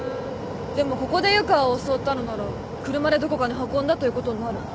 でもここで湯川を襲ったのなら車でどこかに運んだということになる。